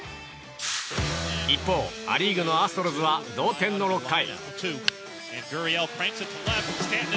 一方、ア・リーグのアストロズは同点の６回。